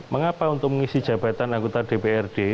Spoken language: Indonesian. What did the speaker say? mengapa untuk mengisi jabatan anggota dprd